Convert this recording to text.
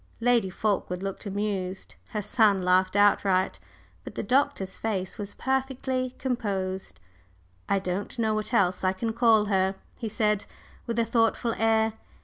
Lady Fulkeward looked amused; her son laughed outright. But the Doctor's face was perfectly composed. "I don't know what else I can call her," he said, with a thoughtful air.